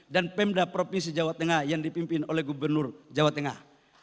dan pemda provinsi jawa tengah yang dipimpin oleh gubernur jawa tengah